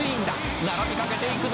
「並びかけていくぞ」